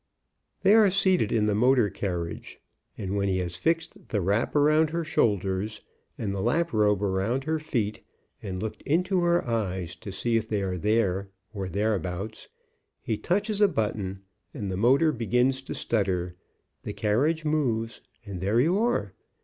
They are seated Il6 THE HORSELESS CARRIAGE in the motor carriage, and when he has fixed the wrap around her shoulders, and the lap robe about her feet, and looked into her eyes to see if they are there, or thereabouts, he touches a button and the motor be gins to stutter, the carriage moves, and there you are.